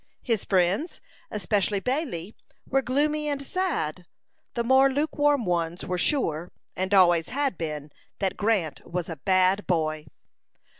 His friends, especially Bailey, were gloomy and sad. The more lukewarm ones were sure, and always had been, that Grant was a bad boy.